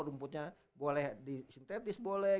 rumputnya boleh di sintetis boleh